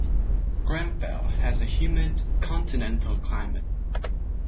Grenfell has a humid continental climate.